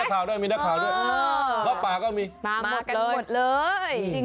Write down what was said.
และปาก็มี